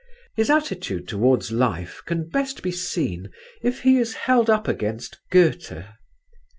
His attitude towards life can best be seen if he is held up against Goethe.